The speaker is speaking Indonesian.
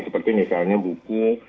seperti misalnya buku